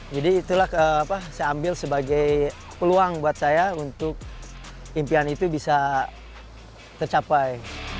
jadi itulah saya ambil sebagai peluang buat saya untuk impian itu bisa tercapai